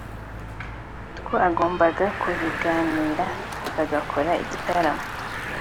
twagombaga kubihanganira bagakora igitaramo”